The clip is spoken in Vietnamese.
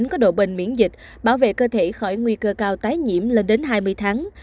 có độ bền miễn dịch bảo vệ cơ thể khỏi nguy cơ cao tái nhiễm lên đến hai mươi tháng